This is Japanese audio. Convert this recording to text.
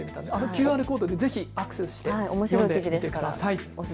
ＱＲコードでぜひアクセスしてみてください。